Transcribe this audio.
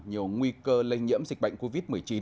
nhiều nguy cơ lây nhiễm dịch bệnh covid một mươi chín